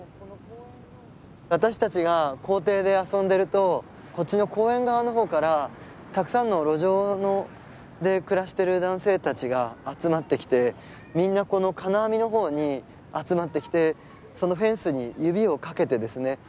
私たちが校庭で遊んでるとこっちの公園側の方からたくさんの路上で暮らしてる男性たちが集まってきてみんなこの金網の方に集まってきてそのフェンスに指をかけてですね